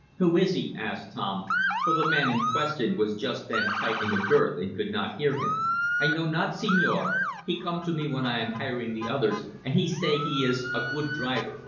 "Who is he?" asked Tom, for the man in question was just then tightening a girth and could not hear him. "I know not, senor. He come to me when I am hiring the others, and he say he is a good driver.